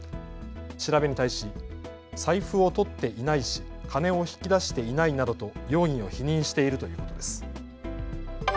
調べに対し財布をとっていないし金を引き出していないなどと容疑を否認しているということです。